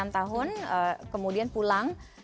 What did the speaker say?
enam tahun kemudian pulang